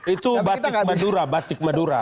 itu batik madura batik madura